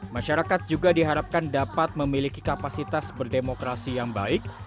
masyarakat juga diharapkan dapat memiliki kapasitas berdemokrasi yang baik